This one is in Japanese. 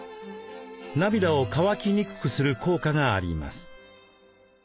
涙を乾きにくくする効果があります。